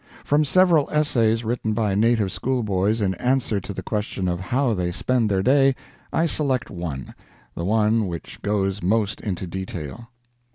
From several essays written by native schoolboys in answer to the question of how they spend their day, I select one the one which goes most into detail: "66.